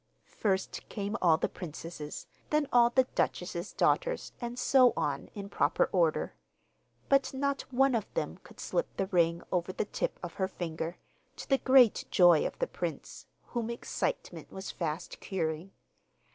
First came all the princesses, then all the duchesses' daughters, and so on, in proper order. But not one of them could slip the ring over the tip of her finger, to the great joy of the prince, whom excitement was fast curing.